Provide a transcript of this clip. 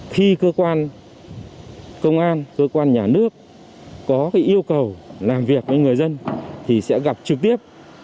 khi cơ quan công an cơ quan nhà nước có yêu cầu làm việc với người dân thì sẽ gặp trực tiếp